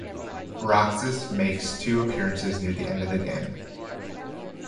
Roxas makes two appearances near the end of the game.